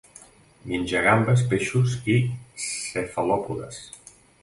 Menja gambes, peixos i cefalòpodes.